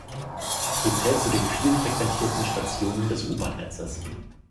Sie zählt zu den viel frequentierten Stationen des U-Bahn-Netzes.